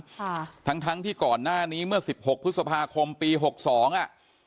ค่ะทั้งทั้งที่ก่อนหน้านี้เมื่อสิบหกพฤษภาคมปีหกสองอ่ะ